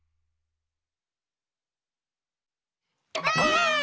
ばあっ！